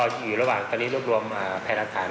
อยู่ระหว่างตอนนี้ร่วมร่วม์แผนศาล